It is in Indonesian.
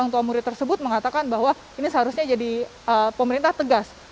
orang tua murid tersebut mengatakan bahwa ini seharusnya jadi pemerintah tegas